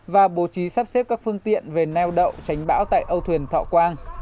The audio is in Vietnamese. và bố trí sắp xếp các phương tiện về neo đậu tránh bão tại âu thuyền thọ quang